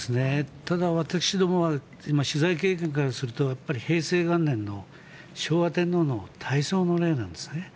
ただ、私どもは取材経験からすると平成元年の昭和天皇の大喪の礼なんですね。